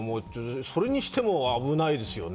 それにしても危ないですよね。